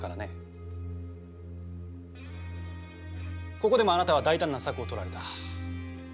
ここでもあなたは大胆な策をとられた。